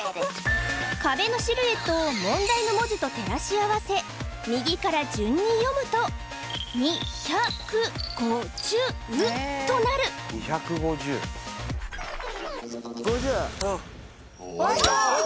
壁のシルエットを問題の文字と照らし合わせ右から順に読むととなる５０開いた！